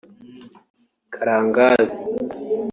Karangazi